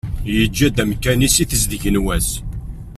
Yeǧǧa-d amkan-is i tezdeg n wass.